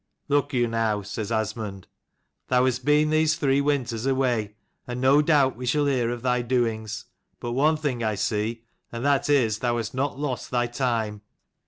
"Look you now," says Asmund. "Thou hast been these three winters away, and no doubt we shall hear of thy doings. But one thing I see, and that is, thou hast not lost thy time."